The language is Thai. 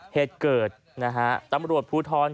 เหตุเกิดนะฮะตำรวจภูทร